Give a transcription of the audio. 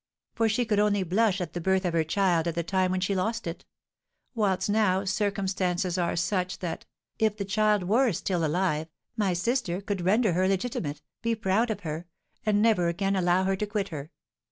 for she could only blush at the birth of her child at the time when she lost it; whilst now circumstances are such, that, if the child were still alive, my sister could render her legitimate, be proud of her, and never again allow her to quit her.